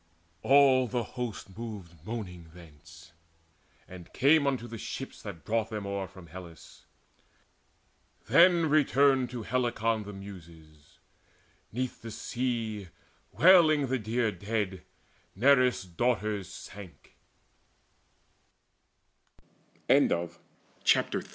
All the host Moved moaning thence, and came unto the ships That brought them o'er from Hellas. Then returned To Helicon the Muses: 'neath the sea, Wailing the dear dead, Nereus' Daughters sank, BOOK IV How in the Funeral Games of Achil